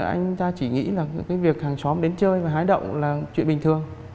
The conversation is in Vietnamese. anh ta chỉ nghĩ là cái việc hàng xóm đến chơi và hái động là chuyện bình thường